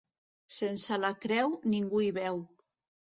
Sense la creu, ningú hi veu.